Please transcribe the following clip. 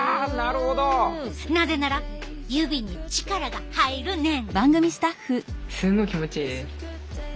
なぜなら指に力が入るねん。